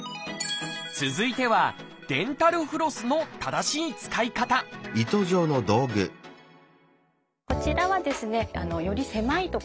続いてはデンタルフロスの正しい使い方こちらはですねより狭い所